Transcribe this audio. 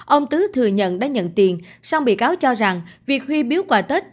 ông tứ thừa nhận đã nhận tiền song bị cáo cho rằng việc huy biếu quà tết